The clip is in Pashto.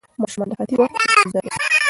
ماشومان د خطي وخت پوهې ته ژر رسي.